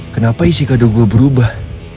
kenapa isi kado gue berubah